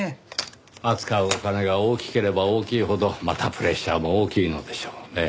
扱うお金が大きければ大きいほどまたプレッシャーも大きいのでしょうねぇ。